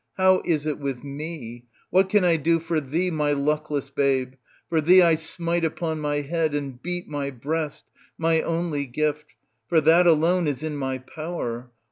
How is it with me ? What can I do for thee, my luckless babe? for thee I smite upon my head and beat my breast, my only gift ; for that alone is in my power.